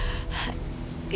itu hanya untuk membayangkan nenek